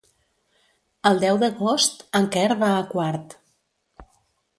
El deu d'agost en Quer va a Quart.